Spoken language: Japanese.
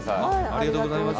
ありがとうございます。